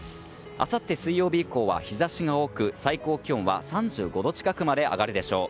あさって水曜日以降は日差しが多く最高気温は３５度近くまで上がるでしょう。